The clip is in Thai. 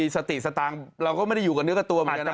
สติสตางค์เราก็ไม่ได้อยู่กับนึกตัวใหม่กันน่ะ